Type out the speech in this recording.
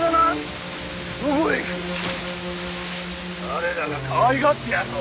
我らがかわいがってやるぞ。